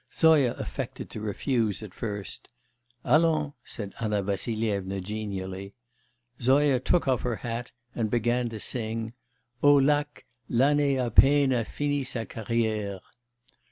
Zoya affected to refuse at first.... 'Allons' said Anna Vassilyevna genially.... Zoya took off her hat and began to sing: 'O lac, l'année à peine a fini sa carrière!